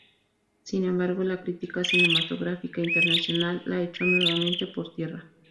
Sin embargo, la crítica cinematográfica internacional la echó nuevamente por tierra.